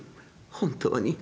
本当に」。